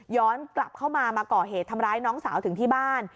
กลับเข้ามามาก่อเหตุทำร้ายน้องสาวถึงที่บ้าน